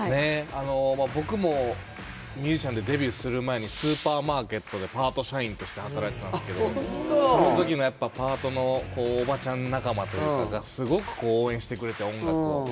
僕もミュージシャンでデビューする前にスーパーマーケットでパート社員として働いていたんですけど、そのときのパートのおばちゃん仲間とかがすごく応援してくれて、音楽を。